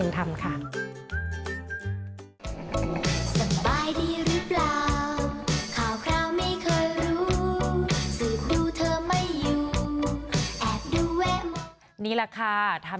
ในกระเป๋าบันเดย์ทริปค่ะ